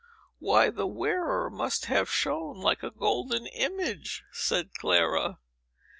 "Why, the wearer must have shone like a golden image!" said Clara.